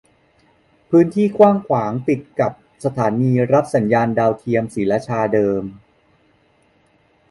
พื้นที่กว้างขวางติดกับสถานีรับสัญญาณดาวเทียมศรีราชาเดิม